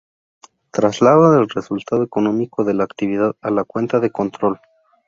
Traslado del resultado económico de la actividad a la cuenta de control.